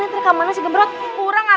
nanti kemana kam courant